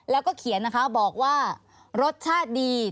แล้วก็เขียนนะคะบอกว่ารสชาติดี